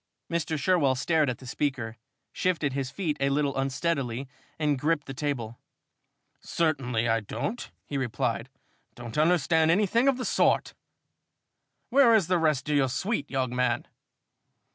Mr. Sherwell stared at the speaker, shifted his feet a little unsteadily and gripped the table. "Certainly I don't," he replied, "don't understand anything of the sort! Where is the rest of the suite, young man?"